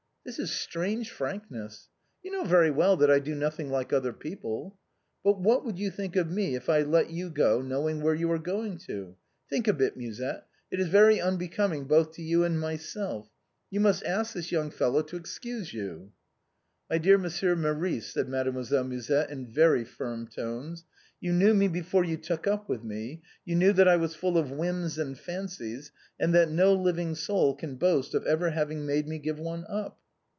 " This is strange frankness." ''You know very well that I do nothing like other pMjple." " But what would you think of me if I let you go, know ing where you are going to? Think a bit. Musette, it is very unbecoming both to you and myself; you must ask this 3'oung fellow to excuse you "" My dear Monsieur Maurice," said Mademoiselle Mu sette, in very firm tones, "you knew me before you took up with me, you knew that I was full of whims and fancies, and that no living soul can boast of ever having made me give one up."